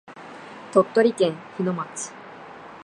鳥取県日野町